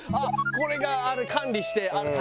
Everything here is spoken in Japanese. これが管理して竹。